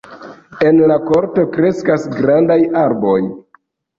En la korto kreskas grandaj arboj.